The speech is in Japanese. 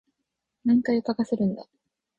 何回かかせるんだ